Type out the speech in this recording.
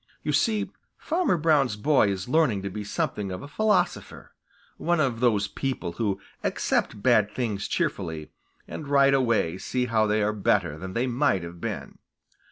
You see, Farmer Brown's boy is learning to be something of a philosopher, one of those people who accept bad things cheerfully and right away see how they are better than they might have been.